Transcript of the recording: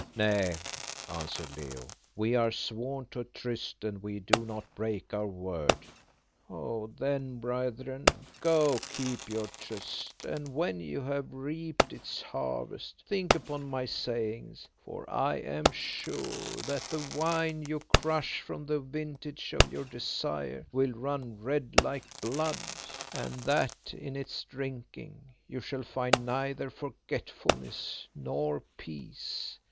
"Nay," answered Leo, "we are sworn to a tryst, and we do not break our word." "Then, brethren, go keep your tryst, and when you have reaped its harvest think upon my sayings, for I am sure that the wine you crush from the vintage of your desire will run red like blood, and that in its drinking you shall find neither forgetfulness nor peace.